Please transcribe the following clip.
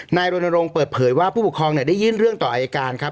รณรงค์เปิดเผยว่าผู้ปกครองได้ยื่นเรื่องต่ออายการครับ